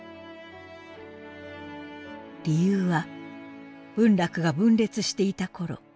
理由は文楽が分裂していたころ